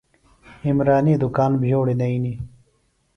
عمرانی دُکان بھیوڑیۡ نئینیۡ۔